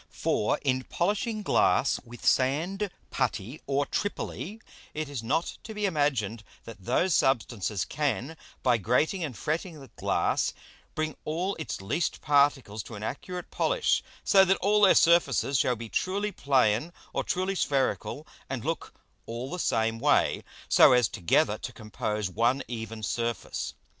For in polishing Glass with Sand, Putty, or Tripoly, it is not to be imagined that those Substances can, by grating and fretting the Glass, bring all its least Particles to an accurate Polish; so that all their Surfaces shall be truly plain or truly spherical, and look all the same way, so as together to compose one even Surface.